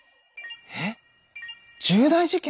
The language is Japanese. えっ重大事件？